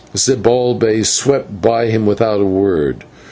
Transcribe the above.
Zibalbay swept by him without a word.